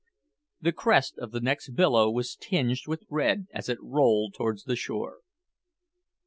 The crest of the next billow was tinged with red as it rolled towards the shore.